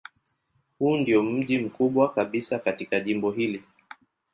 Huu ndiyo mji mkubwa kabisa katika jimbo hili.